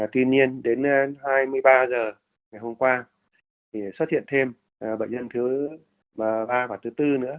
tuy nhiên đến hai mươi ba h ngày hôm qua thì xuất hiện thêm bệnh nhân thứ ba và thứ bốn nữa